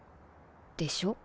でしょ？